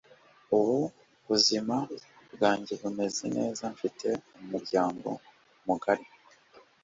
ubu ubuzima bwanjye bumeze neza, mfite umuryango mugari